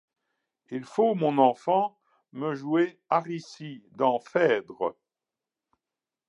Il faut, mon enfant, me jouer Aricie, dans _Phèdre_ !